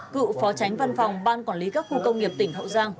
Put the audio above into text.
cựu phó tránh văn phòng ban quản lý các khu công nghiệp tỉnh hậu giang